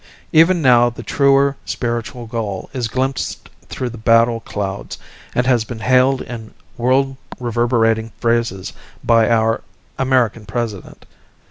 Even now the truer spiritual goal is glimpsed through the battle clouds, and has been hailed in world reverberating phrases by our American President.